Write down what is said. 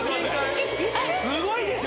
すごいでしょ？